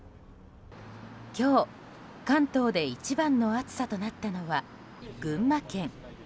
今日、関東で一番の暑さとなったのは群馬県。